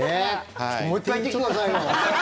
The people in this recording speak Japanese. もう１回行ってきてくださいよ！